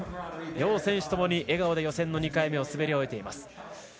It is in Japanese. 両選手ともに笑顔で予選の２回目を滑り終えています。